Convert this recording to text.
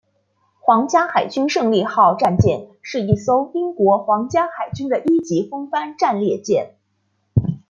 皇家海军胜利号战舰是一艘英国皇家海军的一级风帆战列舰。